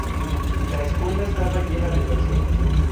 La escuela estaba llena de personas.